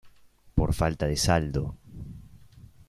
Por falta de saldo.